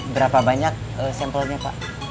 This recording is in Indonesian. berapa banyak sampelnya pak